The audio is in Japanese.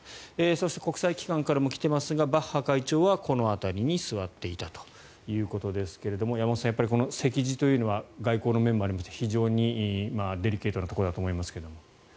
そして、国際機関からも来ていますがバッハ会長はこの辺りに座っていたということですが山本さん、席次というのは外交の面もありまして非常にデリケートなところだと思いますが。